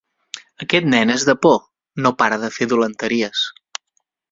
Aquest nen és de por; no para de fer dolenteries.